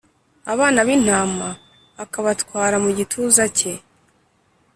abana b’intama akabatwara mu gituza cye,